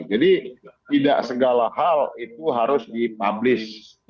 jadi tidak segala hal itu harus dipublish